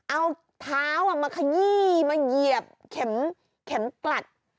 เอาเท้ามาขยี้มาเหยียบเข็มกลัด